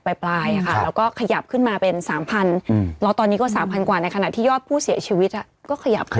ปลายค่ะแล้วก็ขยับขึ้นมาเป็น๓๐๐แล้วตอนนี้ก็๓๐๐กว่าในขณะที่ยอดผู้เสียชีวิตก็ขยับขึ้น